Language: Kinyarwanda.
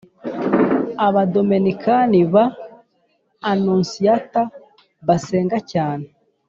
Abadominikani ba Anonsiyata basenga cyane